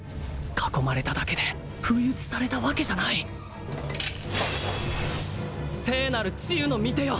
囲まれただけで不意打ちされたわけじゃない聖なる治癒の御手よ